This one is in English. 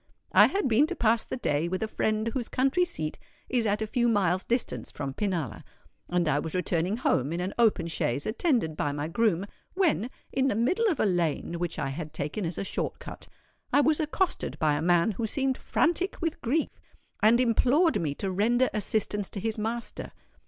I had been to pass the day with a friend whose country seat is at a few miles' distance from Pinalla; and I was returning home in an open chaise, attended by my groom, when, in the middle of a lane which I had taken as a short cut, I was accosted by a man who seemed frantic with grief, and implored me to render assistance to his master.